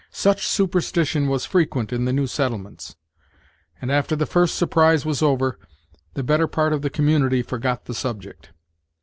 Such superstition was frequent in the new settlements; and, after the first surprise was over, the better part of the community forgot the subject.